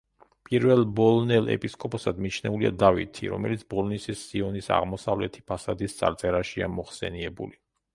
პირველ ბოლნელ ეპისკოპოსად მიჩნეულია დავითი, რომელიც ბოლნისის სიონის აღმოსავლეთი ფასადის წარწერაშია მოხსენიებული.